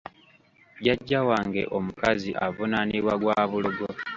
Jjajja wange omukazi avunaanibwa gwa bulogo.